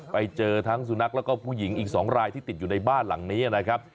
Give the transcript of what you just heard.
ไปเจอทั้งสุนัขแล้วก็ผู้หญิงอีก๒รายที่ติดอยู่ในบ้านหลังนี้นะครับ